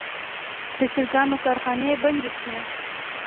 د چرګانو کارخانې بندې شوي.